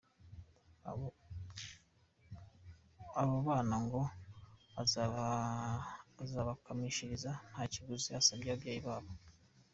Abo bana ngo azabakamishiriza nta kiguzi asabye ababyeyi babo.